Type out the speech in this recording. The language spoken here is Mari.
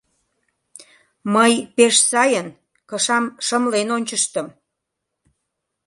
Мый пеш сайын кышам шымлен ончыштым.